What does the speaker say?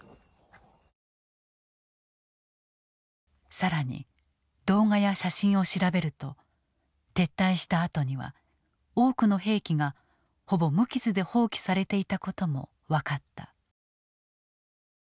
更に動画や写真を調べると撤退したあとには多くの兵器がほぼ無傷で放棄されていたことも分かった。